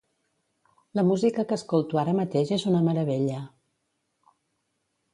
La música que escolto ara mateix és una meravella.